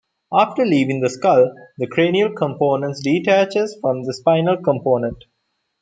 After leaving the skull, the cranial component detaches from the spinal component.